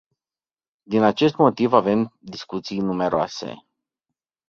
Din acest motiv avem discuții numeroase.